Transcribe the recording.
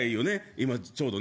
今ちょうどね。